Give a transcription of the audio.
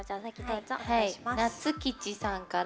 なつきちさんから。